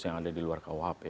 yang ada di luar kuhp